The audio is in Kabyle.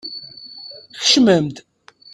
Kecmem-d!